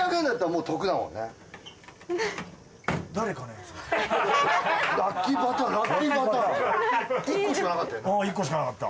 うん１個しかなかった。